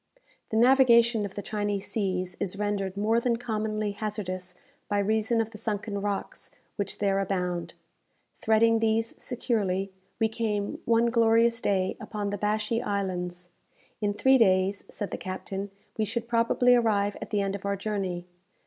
The navigation of the Chinese seas is rendered more than commonly hazardous by reason of the sunken rocks which there abound. Threading these securely, we came, one glorious day, upon the Bashee Islands. In three days, said the captain, we should probably arrive at the end of our journey.